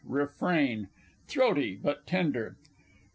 Refrain (throaty, but tender).